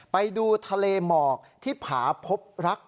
ไปดูทะเลหมอกที่ผาพบรัก